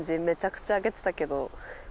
めちゃくちゃあげてたけど。